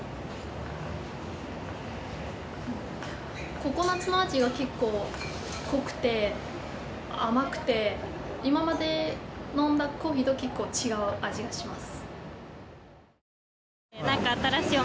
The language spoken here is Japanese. ココナッツの味が結構濃くて甘くて今まで飲んだコーヒーと結構違う味がします。